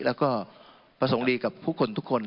แล้วก็ประสงค์ดีกับผู้คนทุกคน